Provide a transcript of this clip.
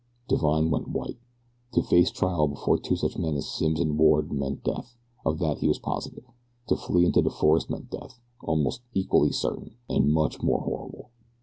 Divine went white. To face trial before two such men as Simms and Ward meant death, of that he was positive. To flee into the forest meant death, almost equally certain, and much more horrible.